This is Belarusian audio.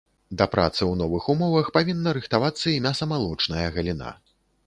Да працы ў новых умовах павінна рыхтавацца і мяса-малочная галіна.